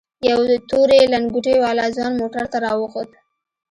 يو تورې لنگوټې والا ځوان موټر ته راوخوت.